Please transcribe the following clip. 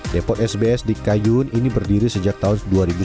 depot sbs di kayun ini berdiri sejak tahun dua ribu sebelas